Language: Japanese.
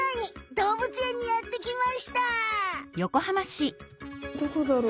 どこだろう？